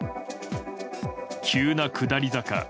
急な下り坂。